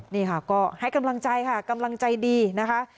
นี่ค่ะก็ให้กำลังใจค่ะกำลังใจดีนะคะ